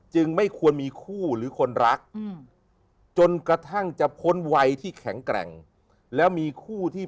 ไม่ควรมีคู่หรือคนรักจนกระทั่งจะพ้นวัยที่แข็งแกร่งแล้วมีคู่ที่